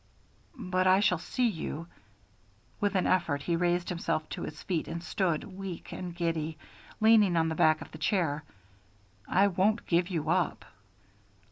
"But I shall see you " With an effort, he raised himself to his feet and stood, weak and giddy, leaning on the back of the chair. "I won't give you up!"